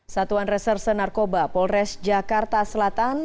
satuan reserse narkoba polres jakarta selatan